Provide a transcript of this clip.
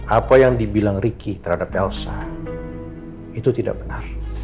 apa yang dibilang riki terhadap elsa